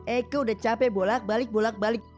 eko udah capek bolak balik bolak balik